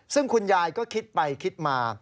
ซึ่งคุณยายก็คิดไปคิดมา